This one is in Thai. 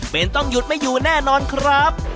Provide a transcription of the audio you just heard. เป็นต้องหยุดไม่อยู่แน่นอนครับ